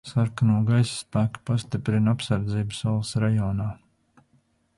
Sarkano gaisa spēki pastiprina apsardzību salas rajonā.